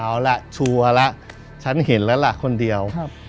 เอาล่ะชัวร์แล้วฉันเห็นแล้วล่ะคนเดียว